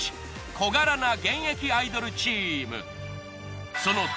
小柄な現役アイドルチーム。